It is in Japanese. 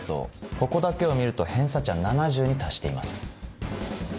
ここだけを見ると偏差値は７０に達しています。